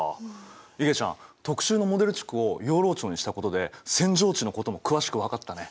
いげちゃん特集のモデル地区を養老町にしたことで扇状地のことも詳しく分かったね。